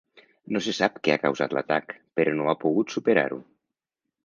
No se sap què ha causat l'atac, però no ha pogut superar-ho.